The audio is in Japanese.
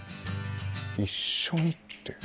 一緒にって？